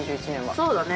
◆そうだね。